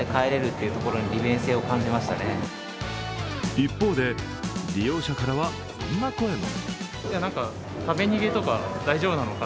一方で利用者からはこんな声も。